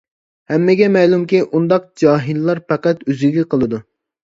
ھەممىگە مەلۇمكى، ئۇنداق جاھىللار پەقەت ئۆزىگە قىلىدۇ.